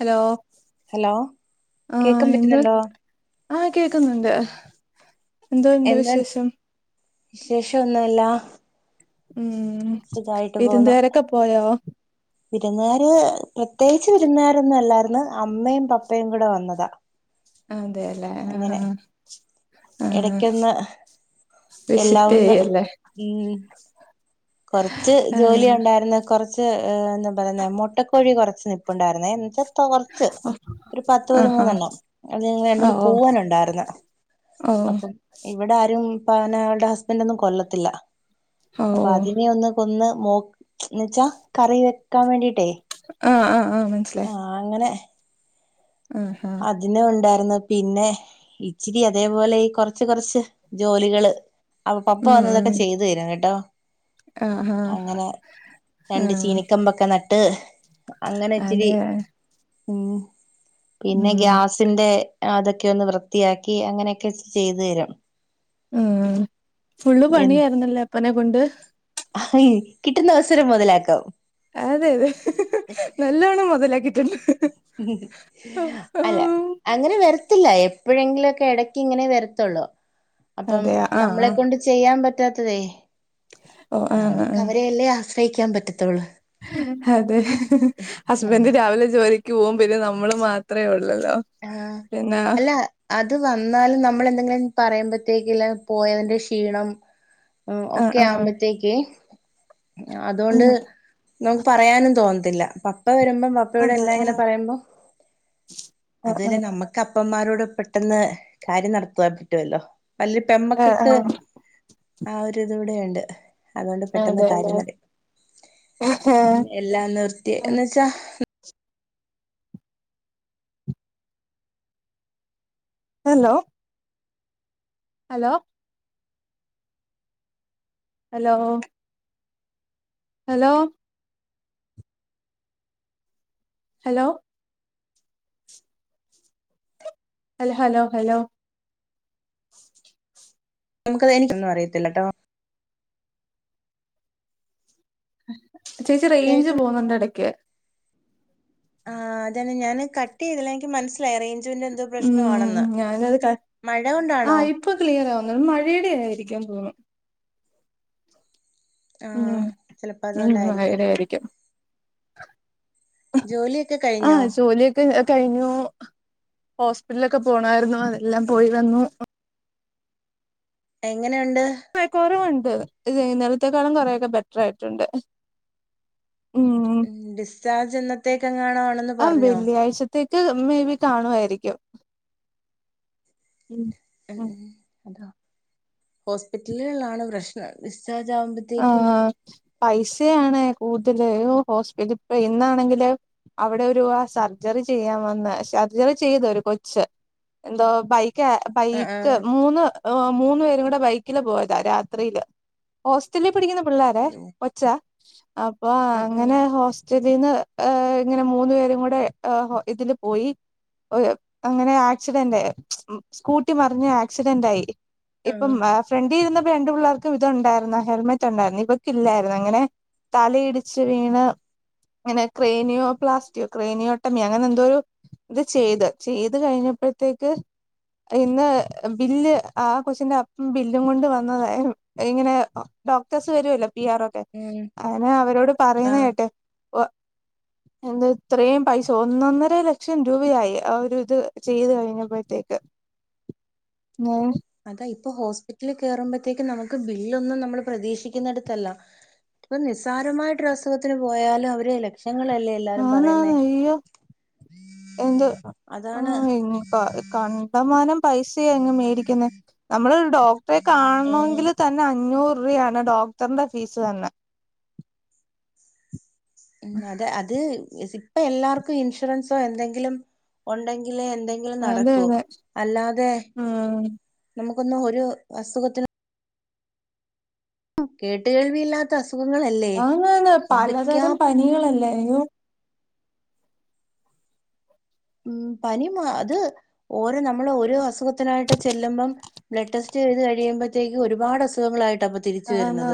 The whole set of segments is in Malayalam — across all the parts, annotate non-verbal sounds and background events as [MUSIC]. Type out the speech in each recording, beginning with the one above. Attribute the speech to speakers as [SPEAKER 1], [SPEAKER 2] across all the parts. [SPEAKER 1] ഹലോ
[SPEAKER 2] ഹലോ
[SPEAKER 1] ആഹ്
[SPEAKER 2] കേക്കൻ
[SPEAKER 1] എന്തോ
[SPEAKER 2] പറ്റുന്നുണ്ടോ
[SPEAKER 1] ആഹ് കേൾക്കുന്നുണ്ട് എന്തോണ്ടു വിശേഷം
[SPEAKER 2] വിശേഷൊന്നുല്ല
[SPEAKER 1] ഉം
[SPEAKER 2] പോന്നു
[SPEAKER 1] വീരുന്നുകാരൊക്കെ പോയോ
[SPEAKER 2] വിരുന്നുകാര് പ്രത്യേകിച്ച് വിരുന്നുകാർ ഒന്നല്ലായിരുന്നു അമ്മയും പപ്പയും കൂടെ വന്നതാ
[SPEAKER 1] അതെല്ലേ ആഹ
[SPEAKER 2] അങ്ങനെ
[SPEAKER 1] ആഹ
[SPEAKER 2] ഇടക്കൊന്ന് എല്ലാം
[SPEAKER 1] വിസ്റ്റ്
[SPEAKER 2] ഒന്ന്
[SPEAKER 1] ചെയ്യൂലേ
[SPEAKER 2] കുറച്ച് ജോലി ഉണ്ടായിരുന്ന് കൊറച്ച് എന്താ പറയുന്ന മുട്ടക്കോഴി കുറച്ച് നിപ്പുണ്ടായിരുന്നേ കൊച്ച് ഒരു പത്ത്
[SPEAKER 1] ആഹാ
[SPEAKER 2] പതിമൂന്നെണ്ണം അത്
[SPEAKER 1] ഓ
[SPEAKER 2] രണ്ടൂന്നെണ്ണം പൂവനുണ്ടായിരുന്ന
[SPEAKER 1] ഓ
[SPEAKER 2] അപ്പം
[SPEAKER 1] ഓ
[SPEAKER 2] ഇവിടെ ആരും പന അവടെ ഹസ്ബൻഡ് ഒന്നും കൊല്ലത്തില്ല അപ്പൊ
[SPEAKER 1] ഓ
[SPEAKER 2] അതിനെ ഒന്ന് കൊന്ന് [UNINTELLIGIBLE] വച്ചാ കറി വെക്കാൻ വേണ്ടിട്ടേ
[SPEAKER 1] ആഹ് ആഹ് ആഹ് മനസിലാ
[SPEAKER 2] ആ അങ്ങനെ
[SPEAKER 1] ആഹ
[SPEAKER 2] അതിനെ ഉണ്ടായിരുന്നു പിന്നെ ഇച്ചിരി അതേപോലെ ഈ കൊറച്ച് കൊറച്ച് ജോലികള് അപ്പൊ പപ്പ വന്ന് ഇതൊക്കെ ചെയ്തു തരും കേട്ടോ
[SPEAKER 1] ആഹ ആഹ
[SPEAKER 2] അങ്ങനെ രണ്ട് ചീനിക്കമ്പൊക്കെ നട്ട് അങ്ങനെ ഇച്ചിരി
[SPEAKER 1] അതെ
[SPEAKER 2] ഉം പിന്നെ
[SPEAKER 1] ഉം
[SPEAKER 2] ഗ്യാസിന്റെ അതൊക്കെ ഒന്ന് വൃത്തിയാക്കി അങ്ങനെയൊക്കെ ചെയ്തു തരം
[SPEAKER 1] ആ ഫുള്ള് പണിയായിരുന്നല്ലേ അപ്പനെ കൊണ്ട്
[SPEAKER 2] ആയ് കിട്ടുന്ന അവസരം മുതലാക്കാം
[SPEAKER 1] അതേ തേ നല്ലൊണം മുതലാക്കിട്ടുണ്ട്
[SPEAKER 2] അല്ല അങ്ങനെ വരത്തില്ല എപ്പോഴെങ്കിലൊക്കെ ഇടക്ക് ഇങ്ങനെ വരത്തുള്ളൂ അപ്പം
[SPEAKER 1] അതെയ ആഹ്
[SPEAKER 2] നമ്മളെ
[SPEAKER 1] ആഹ്
[SPEAKER 2] കൊണ്ട് ചെയ്യാൻ പറ്റാത്തതേ
[SPEAKER 1] ഓ ആഹ്
[SPEAKER 2] നമുക്ക്
[SPEAKER 1] ആഹ്
[SPEAKER 2] അവരെല്ലേ ആശ്രയിക്കാൻ പറ്റത്തൊള്ളൂ
[SPEAKER 1] അതെ
[SPEAKER 2] നം
[SPEAKER 1] ഹസ്ബൻറ് രാവിലെ ജോലിക്ക് പോകും പിന്നെ നമ്മള് മാത്രേ ഒള്ളല്ലോ
[SPEAKER 2] ആ
[SPEAKER 1] പിന്നെ
[SPEAKER 2] അല്ല അത് വന്നാല് നമ്മൾ എന്തെങ്കിലും പറയുമ്പോഴത്തേക്കല്ലെ പോയതിന്റെ ക്ഷീണം
[SPEAKER 1] ആഹ്
[SPEAKER 2] ഒക്കെ
[SPEAKER 1] ആഹ്
[SPEAKER 2] ആവുമ്പോത്തേക്ക് അതുകൊണ്ട്
[SPEAKER 1] ഉം
[SPEAKER 2] നമുക്ക് പറയാനും തോന്നത്തില്ല പപ്പ വരുമ്പം പപ്പയോട്
[SPEAKER 1] അതെ
[SPEAKER 2] എല്ലാം
[SPEAKER 1] ആ
[SPEAKER 2] അതുലെ നമുക്ക് അപ്പമാരോട് പെട്ടെന്ന് കാര്യം നടത്തുവാൻ പറ്റുല്ലോ വല്
[SPEAKER 1] ആഹ്
[SPEAKER 2] പെമ്മക്കൊക്കെ
[SPEAKER 1] ആഹ്
[SPEAKER 2] ആ ഒരു ഇത് ഇവിടെണ്ട് അതുകൊണ്ട് പെട്ടെന്ന്
[SPEAKER 1] അതെല്ലേ
[SPEAKER 2] കാര്യം എല്ലാം നിർത്തിയ
[SPEAKER 1] ഉം
[SPEAKER 2] എന്ന്വെച്ചാ
[SPEAKER 1] hello hello hello hello hello hello hello hello
[SPEAKER 2] നമുക്കത് എനിക്കൊന്നും അറത്തില്ല ട്ടോ
[SPEAKER 1] ചേച്ചി റേഞ്ച്
[SPEAKER 2] കേൾക്കുന്ന
[SPEAKER 1] പോകുന്നുണ്ട് എടക്ക്
[SPEAKER 2] ആഹ് അതെ ഞാന് കട്ട്യാതില്ല എനിക്ക് മനസിലായി അറ ജുവിന്റെ എന്തോ
[SPEAKER 1] ഉം
[SPEAKER 2] പ്രശ്ണമാണെന്ന്
[SPEAKER 1] ഞാനത് ക ആഹ് ഇപ്പൊ ക്ലിയർ ആവുന്നത് മഴയുടെയ ആയിരിക്കു തോന്നുണു
[SPEAKER 2] ആ ചിലപ്പോ
[SPEAKER 1] ഉം ഉ
[SPEAKER 2] അതുകൊണ്ടായിരിക്കും
[SPEAKER 1] വയര ആയിരിക്കും
[SPEAKER 2] ജോലിയൊക്കെ കഴിഞ്ഞോ
[SPEAKER 1] ആഹ് ജോലിയൊക്കെ കഴിഞ്ഞു ഹോസ്പിറ്റലൊക്കെ പോണായിരുന്നു അതെല്ലാം പോയി വന്നു
[SPEAKER 2] എങ്ങനെയുണ്ട്
[SPEAKER 1] കൊറവ് ഉണ്ട് ഇത് ഇന്നലത്തെക്കാളും കൊറെേൊക്കെ ബെറ്റർ ആയിട്ടുണ്ട് ഉം
[SPEAKER 2] ഡിസ്ചാർജ് എന്നത്തേക്ക എങ്ങാണോ ആണെന്ന് പറഞ്ഞോ
[SPEAKER 1] ത്തേക്ക് മേ ബി കാണുായിരിക്കും ഉ
[SPEAKER 2] ഉ ഉ അതോ ഹോസ്പിറ്റലുകളിലാണ് പ്രശ്നം ഡിസ്ചാർജ് ആവുമ്പോത്ത ത്തേക്കും
[SPEAKER 1] ആഹ് പൈസയാണ് കൂടുല് ഹോസ്പിറ്റല ഇപ്പ ഇന്നാണെങ്കില് അവിടെ ഒരു ആ സർജറി ചെയ്യാൻ വന്ന് സർജറി ചെയ്ത് ഒരു കൊച്ച് എന്തോ ബൈക്ക്
[SPEAKER 2] ആ ആ
[SPEAKER 1] ബൈക്ക് മൂന്ന് മൂന്ന് പേരും കൂടെ ബൈക്കില് പോയതാ രാത്രിയില് ഹോസ്റ്റലിൽ പഠിക്കുന്ന പിള്ളോരേ
[SPEAKER 2] ഉം
[SPEAKER 1] ഒച്ച അപ്പൊ അങ്ങനെ
[SPEAKER 2] ഉം
[SPEAKER 1] തിന്ന് ഇങ്ങനെ മൂന്നു പേരും കൂടെ ഇതില് പോയി അങ്ങനെ ആക്സിഡന്റ് സ്കൂട്ടി മറിഞ് ആക്സിഡന്റ് ആയി
[SPEAKER 2] ആ
[SPEAKER 1] ഇപ്പം ഫ്രണ്ടിൽ ഇരുന്ന രണ്ടു പിള്ളേർക്കും ഇതു ണ്ടായിരുന്നു ഹെൽമെറ്റ് ഉണ്ടായിരുന്നു ഇബൾക്ക് ഇല്ലായിരുന്നു അങ്ങനെ തലയിടിച്ച് വീണ് അങ്ങനെ ക്രനിയോ പ്ലാസ്റ്റിയോ ക്രേനിയോ ഒട്ടമിയോ അങ്ങനെ എന്തോരു ഇത് ചെയ്ത് ചെയ്ത് കഴിഞ്ഞപ്പോഴത്തേക്ക് ഇന്ന് ബില്ല് ആ കൊച്ചിന്റെ അപ്പം ബില്ലും കൊണ്ട് വന്നതായാലും ഇങ്ങനെ ഡോക്ടേഴ്സ് വരുവല്ലോ പി ആർ ഒക്കെ
[SPEAKER 2] ഉം
[SPEAKER 1] അനെ അവരോട്
[SPEAKER 2] ആ
[SPEAKER 1] പറയുന്ന കേട്ടെ എന്താ ഇത്രയും പൈസ ഒന്നൊന്നര ലക്ഷം രൂപയായി ആ ഒരു ഇത് ചെയ്ത് കഴിഞ്ഞപ്പോഴത്തേക്ക് മ്
[SPEAKER 2] അതാ ഇപ്പൊ ഹോസ്പിറ്റലിൽ കേയറുമ്പോഴത്തേക്കും നമുക്ക് ബില്ലൊന്നും നമ്മള് പ്രതീക്ഷിക്കുന്നടുത്തല്ല ഇപ്പൊ നിസ്സാരമായിട്ട്രു അസുഖത്തിന് പോയാലും അവര് ലക്ഷങ്ങളല്ലേ എല്ലാരും പറയുന്നേ
[SPEAKER 1] ആന്നാന്ന് അയ്യോ
[SPEAKER 2] അതാണ്
[SPEAKER 1] ഉം [UNINTELLIGIBLE] കണ്ടമാനം പൈസയ അങ്ങ് മേടിക്കുന്നത് നമ്മൾ ഒരു ഡോക്ടറെ
[SPEAKER 2] ഏഹ്
[SPEAKER 1] കാണണമെങ്കിൽ തന്നെ അഞ്ഞൂറ് രൂപയാണ് ഡോക്ടറിന്റെ ഫീസ് തന്നെ
[SPEAKER 2] ഉ അതെ അത് ഇപ്പ എല്ലാർക്കും ഇൻഷുറൻസോ എന്തെങ്കിലും ഉണ്ടെങ്കില് എന്തെങ്കിലും
[SPEAKER 1] അതെ
[SPEAKER 2] നടക്കൂ
[SPEAKER 1] അതെ
[SPEAKER 2] അല്ലാതെ
[SPEAKER 1] ഉം
[SPEAKER 2] നമുക്കൊന്ന് ഒരു അസുഖത്തിന് കേട്ട കേൾവിയില്ലാത്ത അസുഖങ്ങളല്ലേ എന്തൊക്കെയാ
[SPEAKER 1] പണികളല്ല [UNINTELLIGIBLE]
[SPEAKER 2] ഉം പനി അത് ഓരോ നമ്മൾ ഓരോ അസുഖത്തിനായിട്ട് ചെല്ലുമ്പം ബ്ലഡ് ടെസ്റ്റ് ചെയ്ത് കഴിയുമ്പഴത്തേക്ക് ഒരുപാ അസുഖങ്ങളായിട്ട്പ്പ
[SPEAKER 1] ആ ആ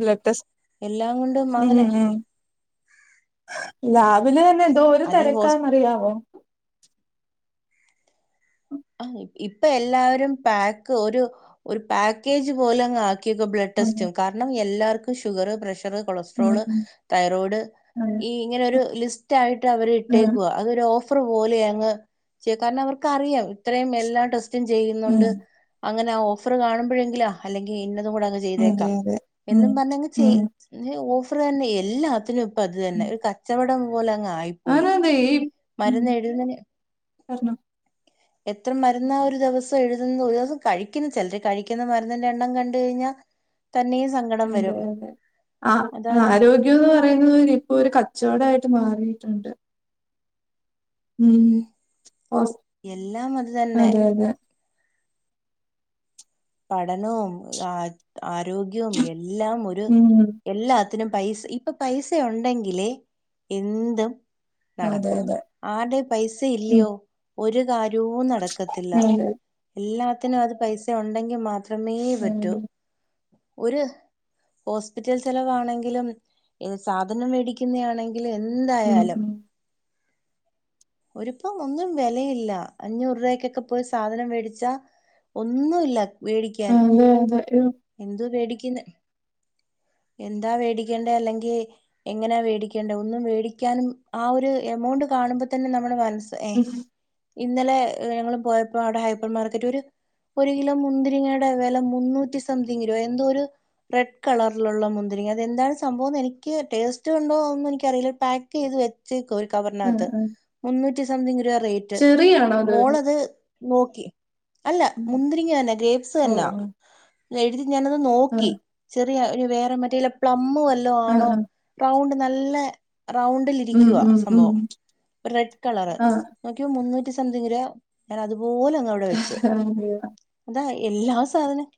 [SPEAKER 1] ബ്ലഡ് ടെസ്റ്റ്
[SPEAKER 2] എല്ലാം കൊണ്ടും
[SPEAKER 1] ഉം
[SPEAKER 2] അങ്ങനെ
[SPEAKER 1] ഉം ലാബില് തന്നെ എന്തോ ഒരു
[SPEAKER 2] അതീ ഹോസ്
[SPEAKER 1] തിരക്കാന്ന്റിയമോ
[SPEAKER 2] ആ ഇപ്പൊ എല്ലാവരും പാക്ക് ഒരു പാക്കേജ് പോലെങ് [UNINTELLIGIBLE]
[SPEAKER 1] ഉം
[SPEAKER 2] ബ്ലഡ്ടെസ്റ്റ കാരണം എല്ലർക്കും ഷുഗർ പ്രഷ ർ
[SPEAKER 1] ഉം
[SPEAKER 2] കൊളസ്ട്രോൾ
[SPEAKER 1] ഉം
[SPEAKER 2] തൈറോയ്ഡ്
[SPEAKER 1] അതെ
[SPEAKER 2] ഈ ഇങ്ങനെ ഒരു ലിസ്റ്റ് ആയിട്ട് അവർ
[SPEAKER 1] ഉം
[SPEAKER 2] ഇട്ടേക്കുക അതൊരു ഓഫർ പോലെയ അങ്ങ് ചെയ കാരണം അവർക്കറിയാം ഇത്രയും എല്ലാ ടെസ് ചെയുന്നുണ്ട്
[SPEAKER 1] ഉം
[SPEAKER 2] അങ്ങനെ ആ ഓഫർ കാണുമ്പോഴെങ്കിലാ അല്ലെങ്കി ഇന്നതും കൂടങ്ങ്
[SPEAKER 1] അതെ
[SPEAKER 2] ചെയ്തേക്കാം
[SPEAKER 1] അതെ ഉം
[SPEAKER 2] എന്നും പറഞ്ഞ ചെയ
[SPEAKER 1] ഉം
[SPEAKER 2] ഓഫർ തന്നെ എല്ലാത്തിനും ഇപ്പ അത് തന്നെ ഒരു കച്ചവടം പോലെ അങ് ആയി
[SPEAKER 1] ആന്ന് ആന്ന് ഈ ഉം
[SPEAKER 2] മരന്ന് എഴുന്നതിന്
[SPEAKER 1] [INAUDIBLE]
[SPEAKER 2] എത്ര മരുന്നാ ഒരു ദിവസം എഴുതുന്ന ഒരു ദിവസം കഴിക്കുന്ന ചിലര് കഴിക്കുന്ന മരുന്നിൻ്റെ എണ്ണം കണ്ട കഴിഞ്ഞാൽ തന്നെ സ [UNINTELLIGIBLE]
[SPEAKER 1] അതെ അതെ ആ ആരോഗ്യ [UNINTELLIGIBLE] എന്ന് പറയുന്നത് ഇപ്പോ ഒരു കച്ചവടയിട്ട് മാറിയിട്ടുണ്ട് ഉം ഹോസ്
[SPEAKER 2] എല്ലാം അത് തന്നെ
[SPEAKER 1] അതെ അതെ
[SPEAKER 2] പഠനവും ആ ആരോഗ്യവും എല്ലാം ഒരു
[SPEAKER 1] ഉം
[SPEAKER 2] എല്ലാത്തിനും പൈസ ഇപ്പൊ പൈസ ഉണ്ടെങ്കിലേ എന്തും
[SPEAKER 1] അതെ
[SPEAKER 2] നടക്കൂ
[SPEAKER 1] അതെ
[SPEAKER 2] ആടെ പൈസ
[SPEAKER 1] ഉം
[SPEAKER 2] ഇല്ലയോ ഒരു കാര്യവും നട ക്കത്തില്ല
[SPEAKER 1] അതെ
[SPEAKER 2] എല്ലാത്തിനും അത് പൈസ ഉണ്ടെങ്കിൽ മാത്രമേ
[SPEAKER 1] ഉം
[SPEAKER 2] പറ്റൂ ഒരു ഹോസ്പിറ്റൽ ചെലവാണെങ്കിലുംഏ സാധനം മേടിക്കുന്ന ആണെങ്ക
[SPEAKER 1] ഉം
[SPEAKER 2] എന്തായാലും
[SPEAKER 1] ഉം
[SPEAKER 2] ഒരുപ്പം ഒന്നും വിലയില്ല അഞ്ഞൂറ് രൂപക്കൊക്കെ പോയി സാധനം മേടിച്ചാ ഒന്നുല്ല മേടിക്കാൻ
[SPEAKER 1] അതെ അതെ ഉം
[SPEAKER 2] എന്തവേടിക്കുന്ന എന്താ മേടിക്കേണ്ടത് അല്ലെങ്കിൽ എങ്ങനാ മേടിക്കേണ്ടത് ഒന്നും മേടിക്കാനും ആ ഒരു എമൗണ്ട് കാണുമ്പോ തന്നെ നമ്മള് മനസ് ഏ ഇന്നലെ ഞങ്ങൾ പോയപ്പോ അവിടെ ഹൈപ്പർ മാർക്കറ്റ് ഒരു ഒരു കിലോ മുന്തിരിങ്ങയുടെ വില മുന്നൂറ്റി സംതിങ് രൂപ എന്തോ ഒരു റെഡ് കളറിലുള്ള മുന്തിരിങ്ങ അത എന്താണ് സംഭവം എന്ന് എനിക്ക് ടേസ്റ്റ് ഉണ്ടോ ഒന്നും എനിക്കറിയില്ല പാക്ക് ചെയ്ത് വരുന്ന [UNINTELLIGIBLE] ഒരു
[SPEAKER 1] ഉം
[SPEAKER 2] കവറിനകത്ത്
[SPEAKER 1] ഉം
[SPEAKER 2] മുന്നൂറ്റി സംതിങ് രൂപ റേറ്റ്
[SPEAKER 1] ചെറിയാണോ അത്?
[SPEAKER 2] മോളത് നോക്കി അല്ല
[SPEAKER 1] ഉം.
[SPEAKER 2] മുന്തിരിങ്ങ തന്നെ ഗ്രേബ്സ്
[SPEAKER 1] ഓ
[SPEAKER 2] തന്നെയ എഴുതി ഞാനത്
[SPEAKER 1] ആ
[SPEAKER 2] നോക്കി ചെറിയ ഒരു വേറെ മറ്റേയില പ്ലംവല്ലോ
[SPEAKER 1] ആ
[SPEAKER 2] ആണോ
[SPEAKER 1] ആ.
[SPEAKER 2] റൗണ്ട് നല്ല
[SPEAKER 1] ഉം
[SPEAKER 2] റൗണ്ടിലിരിക്കുവാ
[SPEAKER 1] ഉം ഉം
[SPEAKER 2] സംഭവം റെഡ് കളർ
[SPEAKER 1] ആ
[SPEAKER 2] നോക്കിയ മുന്നൂറ്റി സംതിങ് രൂപ ഞൻ അതുപോലങ്ങ്
[SPEAKER 1] അഹ [INAUDIBLE]
[SPEAKER 2] അതാ എല്ലാ സാധനം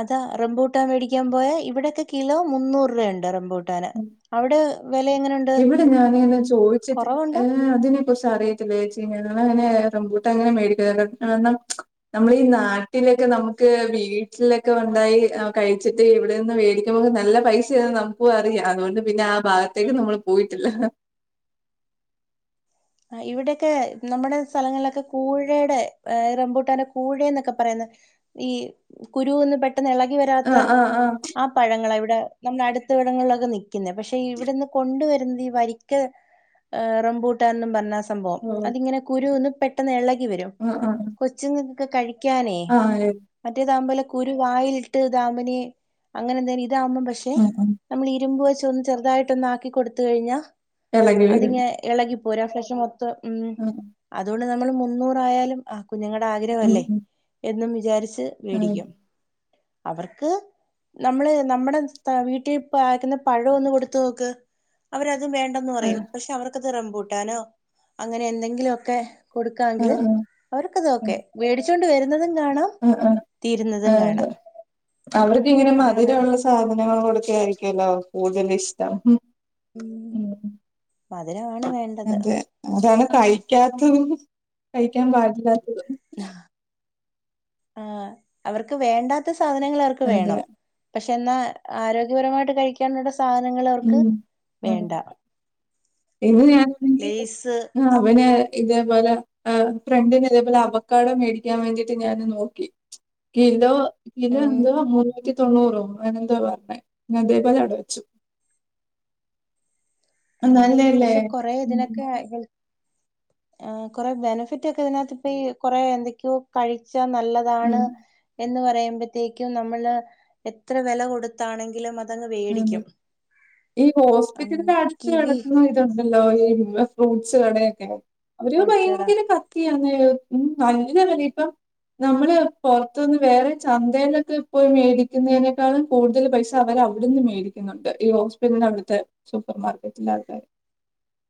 [SPEAKER 2] അതാ റംബൂട്ടാ മേടിക്കാൻ പോയാ ഇവിടെയൊക്കെ കിലോ മുന്നൂറ് രൂപുണ്ട് റംബുട്ട [UNINTELLIGIBLE] അവിടെ വിലങ്ങനൊണ്ട
[SPEAKER 1] ഇവിടെ ഞാനങ്ങെ ചോദിച്ചിട്ട് എ അതിന കുറിച്ച് അറിയത്തില്ല ഏച്ചി ഞങ്ങളങ്ങനെ റംബൂട്ടാൻ അങ്ങനെ മേടിക്ക [UNINTELLIGIBLE] നമ്മളീനാട്ടില്ക്കെ നമുക്ക് വീട്ട്ലെക്കെ ഒണ്ടായി ആഹ് കഴിച്ച് ദേ ഇവിടെന്ന് വേടിക്കുമ്പോള് നല്ല പൈസയന്ന് നമുക്കും അറിയാം അതുകൊണ്ട് പിന്നെ ആഹ് ഭാഗ തേക്ക് നമ്മള് പോയിട്ടില്ല
[SPEAKER 2] ഏഹ് ഇവിടെയൊക്കെ നമ്മടെ സ്ഥലങ്ങളിലൊക്കെ കൂഴയുടെ റംമ്പൂട്ടാന്റെ കൂഴ എന്നൊക്കെ പറയുന്നത് ഈ കുരൂന്ന് പെട്ട് ട്ടെന്ന് ഇളകി വരാത്ത
[SPEAKER 1] ആഹ് ആഹ്
[SPEAKER 2] ആഹ് പഴങ്ങളെവിടെ നമ്മുടെ അടുത്തവിടങ്ങളിലൊക്കെ നി ക്ന്നെ പക്ഷെ ഇവിടെന്ന് കൊണ്ട് വരുന്നത് ഈ വരിക്ക ഏഹ് റംമ്പൂട്ടാനും പറഞ്ഞ സമ്പവം
[SPEAKER 1] ഓഹ്
[SPEAKER 2] അതിങ്ങനെ കുരൂന്ന് പെട്ടെന്ന് എളകിവരും
[SPEAKER 1] ആഹ്
[SPEAKER 2] കൊച്ചുങ്ങ കൊക്കേ കഴി ക്യാനേ
[SPEAKER 1] ആഹ് ആഹ്
[SPEAKER 2] മറ്റേതാുമ്പോല കുരു വായിലിട്ട് താമ്പനി അങ്ങനെ എന്തേലും ഇതാവുമ്പം പക്ഷെ
[SPEAKER 1] ഉം ഉം
[SPEAKER 2] നമ്മള് ഇരുമ്പ് വെച്ച ഒന്ന് ചെറുതായിട്ടൊന്ന് ആക്കി കൊടുത്ത്കഴിഞ്ഞാ
[SPEAKER 1] എളകി വരും
[SPEAKER 2] അതിങ്ങെ എളകി പൊരാസ്പഷം മൊത്തം
[SPEAKER 1] ഉം
[SPEAKER 2] ഉംഅതുകൊണ്ട് നമ്മള് മുന്നൂറായാലും ആഹ് കുഞ്ഞുങ്ങടെ
[SPEAKER 1] ഉം
[SPEAKER 2] ആഗ്രഹല്ലേ
[SPEAKER 1] ഉം
[SPEAKER 2] എന്നും വിചാരിച്ച്
[SPEAKER 1] ആഹ്
[SPEAKER 2] വേടിക്കും അവർക്ക് നമ്മള് നമ്മടെ തോ വീട്ടിൽപാക്ക്ന്ന പഴം ഒന്ന് കൊടുത്ത്നോക്ക് അവരത് വേണ്ട ണ്ടന്ന് പറയും
[SPEAKER 1] ആഹ്
[SPEAKER 2] പക്ഷെ അവർക്കത് റംമ്പൂട്ടാനോ അങ്ങനെ എന്തെങ്കിലുംഒക്കെ കൊടുക്കാങ്കില്
[SPEAKER 1] ആഹ്
[SPEAKER 2] അവർക്കത്
[SPEAKER 1] ആഹ്
[SPEAKER 2] ഓക്കെ വേടിച്ചോണ്ട് വരുന്നതും കാണാം
[SPEAKER 1] ആഹ് ആഹ്
[SPEAKER 2] തീരുന്നതും
[SPEAKER 1] ആഹ് അതെ
[SPEAKER 2] കാണാം
[SPEAKER 1] അവർക്ക്ഇങ്ങനെ
[SPEAKER 2] അതാണ്
[SPEAKER 1] മധുരമുള്ള സാധനങ്ങള് കൊടുക്കായിരിക്കല്ലോ കൂടത് ഇഷ്ടം
[SPEAKER 2] ഉം മധുരമാണ് വേണ്ടത്
[SPEAKER 1] അതെ അതാണ് കഴിക്കാത്തതും കഴിക്കാൻ പാടില്ലാത്തും
[SPEAKER 2] [UNINTELLIGIBLE] ആഹ് അവർക്ക് വേണ്ടാത്ത സാധനങ്ങള് അവർക്ക്
[SPEAKER 1] അതെ
[SPEAKER 2] വേണം പക്ഷെ എന്നാ ആരോഗ്യപരമായിട്ട് കഴിക്കാനുള്ള സാധനങ്ങള് അവർക്ക്
[SPEAKER 1] ഉം ഉം
[SPEAKER 2] വേണ്ട
[SPEAKER 1] [UNINTELLIGIBLE]
[SPEAKER 2] ലേസ്
[SPEAKER 1] അവന് ഇതേപോലെ ആഹ് ഫ്രണ്ട്ന്ള്ള അവക്കാടൊ മേടിക്കാൻ വേണ്ടിട്ട് ഞാൻ നോക്കി കിലോ കിലോ
[SPEAKER 2] ഉം
[SPEAKER 1] എന്തോ മുന്നൂറ്റി തൊണ്ണൂറൊ അങ്ങനെ എന്തോ പർണ് ഞാന് അതെപോലെ അവടെവെച്ചു
[SPEAKER 2] ആഹ്
[SPEAKER 1] നല്ലല്ലേ
[SPEAKER 2] പക്ഷെ കൊറെ
[SPEAKER 1] ഉം
[SPEAKER 2] ഇതിനൊക്കെ ഹെൽ ആഹ് കൊറെ ബെനഫിറ്റ് ഒക്കെ ഇതിനകത്ത് ഇപ്പ ഈ കൊറെ എന്തൊക്കെയോ കഴിച്ചാ നല്ലതാണ്
[SPEAKER 1] ഉം
[SPEAKER 2] എന്ന് പറയുമ്പത്തേക്കും നമ്മള് എത്ര വെല കൊടുത്താണെങ്കിലും അ
[SPEAKER 1] അതെ ഈ
[SPEAKER 2] ഉം
[SPEAKER 1] ഹോസ്പിറ്റലിന്റെ അടുത്ത്
[SPEAKER 2] കിവി
[SPEAKER 1] കെടക്ക്ന്ന ണ്ടല്ലോ ഈ ഫ്രൂട്ടസ് കടയൊക്കെ അവര്
[SPEAKER 2] ഫ്രൂട്ട്സെടാ
[SPEAKER 1] ഭയങ്കര ക ത്തിയങ്ങനെ ഉം നല്ല വെലേ ഇപ്പൊ നമ്മള് പുൊറത്ത്നിന്ന് വേറെ ചന്തയിലൊക്കെ പോയി മേടിക്കുന്നതിനേക്കാളും കൂടുതൽ പൈസ അവരാവും ഇവിടുന്ന് മേടിക്കുന്നുണ്ട് ഈ ഹോസ്പിറ്റൽ അവിടുത്തെ സൂപ്പർ മാർക്കറ്റില ആൾക്കാര്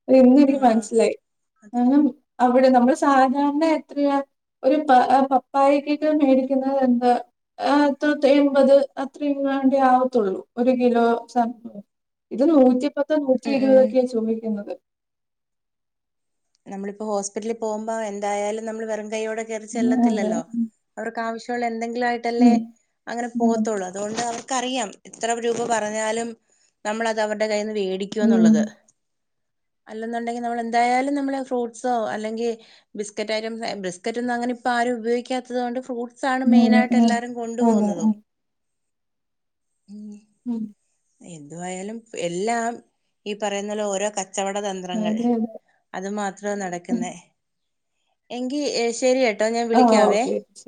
[SPEAKER 1] അല്ല ഇന്നെനിക്ക്
[SPEAKER 2] ആഹ്
[SPEAKER 1] മനസ്സിലായി
[SPEAKER 2] അത്
[SPEAKER 1] അങ്ങനെ അവടെ നമ്മള് സാധാരണ എത്രയാ ഒരു പ അ പപ്പായക്കൊക്ക മേടിക്കുന്നത് എന്താ ആഹ് തൊതെ എൺപത് അത്രയും വേണ്ടിയ ആവത്തുള്ളൂ ഒരു കിലോ ഇത് നൂറ്റിപത്ത് നൂറ്റി
[SPEAKER 2] ഉം ഉം
[SPEAKER 1] ഇരുപതൊക്കെയാ ചോദിക്കുന്നത്
[SPEAKER 2] നമ്മളിപ്പോ ഹോസ്പിറ്റലിൽ പോകുമ്പോ എന്തായാലും നമ്മള് വെറും കയോടെ
[SPEAKER 1] ഉം, അതെ
[SPEAKER 2] കേയറിച്ചെല്ലത്തില്ലല്ലോ അവർക്ക് ആവശ്യമുള്ള എന്തെങ്കിലും ആയിട്ടല്ലേ
[SPEAKER 1] ഉം
[SPEAKER 2] അങ്ങനെ
[SPEAKER 1] ഉം
[SPEAKER 2] പോകത്തുള്ളൂ അതുകൊണ്ട് അവർക്കറിയാം എത്ര രൂപ പറഞ്ഞാലും നമ്മളത് അവര്ടെ കയ്യിൽ നിന്ന്
[SPEAKER 1] ഉം
[SPEAKER 2] വേടിക്കുംന്നുള്ളത് അല്ലന്നുണ്ടെിൽ നമ്മളെന്തായാലും നമ്മ ഫ്രൂട്ട്സ്ഓ അല്ലെങ്കിൽ ബിസ്ക്കറ്റ് ഐറ്റം ബിസ്ക്കറ്റ് ഒന്നും അങ്ങനെ ഇപ്പൊ ആരും ഉപയോഗിക്കാത്തത് കൊണ്ട് ഫ്രൂ ഫ്രൂട്ട്സ് ആണ്
[SPEAKER 1] അതെ
[SPEAKER 2] മെയിൻ ആയിട്ട് എല്ലാരും കൊണ്ടു
[SPEAKER 1] അതെ
[SPEAKER 2] പോോകുന്നതും
[SPEAKER 1] ഉം, ഉം
[SPEAKER 2] എന്തുവായാലും എല്ലാം ഈ പറയുന്നൊലേ ഓരോ ക ച്ചവടതന്ത്രങ്ങൾ
[SPEAKER 1] അതെ അതെ
[SPEAKER 2] അത് മാത്രാ നടക്ക്ന്നേ എങ്കി ഏഹ് ശരിയട്ടോ ഞാൻ
[SPEAKER 1] ആ
[SPEAKER 2] വിളിക്കാവേ
[SPEAKER 1] ഓക്കെ ശരി